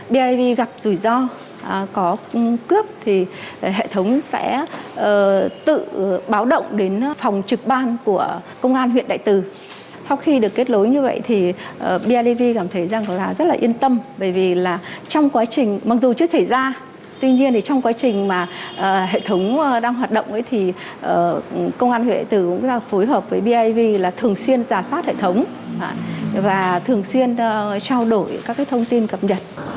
bởi vì trong quá trình mặc dù chưa xảy ra tuy nhiên trong quá trình mà hệ thống đang hoạt động thì công an huyện đại từ cũng phối hợp với biav là thường xuyên giả soát hệ thống và thường xuyên trao đổi các thông tin cập nhật